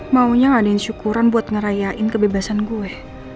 maunya ada yang syukuran buat ngerayain kebebasan gue